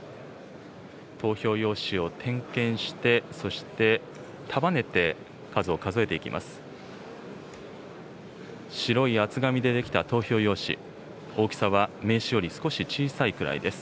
投票用紙を点検して、そして束ねて数を数えていきます。